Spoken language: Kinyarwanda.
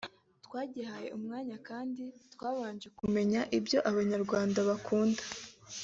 twagihaye umwanya kandi twabanje kumenya ibyo Abanyarwanda bakunda